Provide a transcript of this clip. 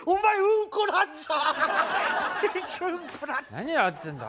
何やってんだ？